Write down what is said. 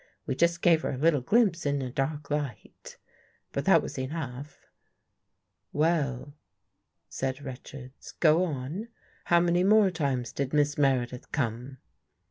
We just gave her a little glimpse in a dark light. But that was enough." " Well? " said Richards. " Go on. How many more times did Miss Meredith come?